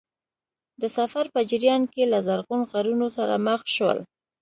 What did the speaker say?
د سفر په جریان کې له زرغون غرونو سره مخ شول.